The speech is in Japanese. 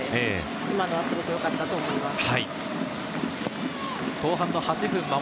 今のはすごくよかったと思います。